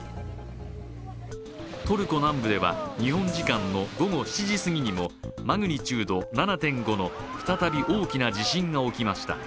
トルコ南部では日本時間の午後７時すぎにもマグニチュード７．５の再び大きな地震が起きました。